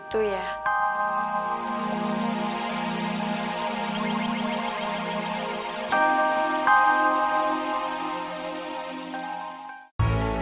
aku juga gak mau